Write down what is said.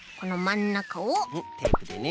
んっテープでね。